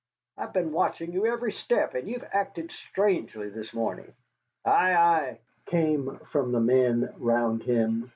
I've been watching you every step, and you've acted strangely this morning." "Ay, ay," came from the men round him.